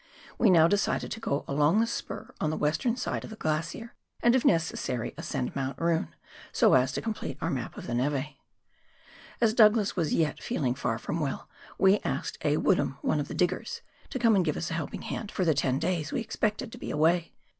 We now decided to go along the spur on the western side of the glacier, and if necessary ascend Mount Roon, so as to com plete our map of the neve. As Douglas was yet feeling far from well, we asked A. Woodham, one of the diggers, to come and give us a helping hand for the ten days we expected to be away.